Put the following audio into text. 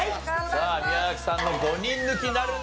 さあ宮崎さんの５人抜きなるんでしょうか？